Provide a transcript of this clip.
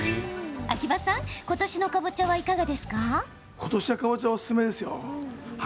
秋葉さん、今年のかぼちゃはいかがですか？